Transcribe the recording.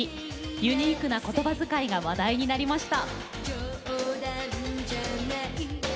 ユニークな、ことばづかいが話題になりました。